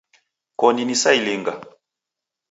Koni nisailinga